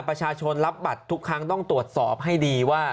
ประชาชนรับบัตรทุกครั้งต้องตรวจสอบให้ดีว่า